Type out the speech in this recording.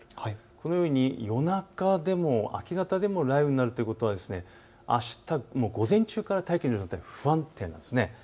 このように夜中でも明け方でも雷雨になるということはあした午前中から大気の状態が不安定なんです。